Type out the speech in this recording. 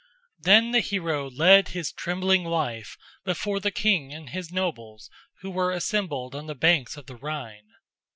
Then the hero led his trembling wife before the king and his nobles who were assembled on the banks of the Rhine.